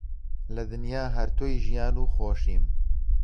لە دنیا هەر تۆی ژیان و خۆشیم